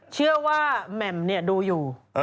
เชื่อว่าแม่มดูอยู่